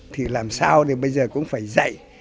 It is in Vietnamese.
thì làm sao thì bây giờ cũng phải dạy